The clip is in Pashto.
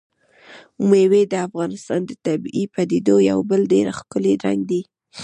مېوې د افغانستان د طبیعي پدیدو یو بل ډېر ښکلی رنګ دی.